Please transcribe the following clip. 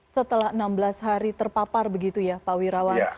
setelah enam belas hari terpapar begitu ya pak wirawan